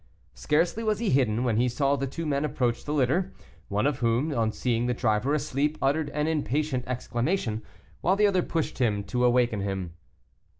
Scarcely was he hidden, when he saw the two men approach the litter, one of whom, on seeing the driver asleep, uttered an impatient exclamation, while the other pushed him to awaken him.